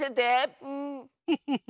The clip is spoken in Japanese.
フフフ。